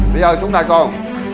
bây giờ xuống nè con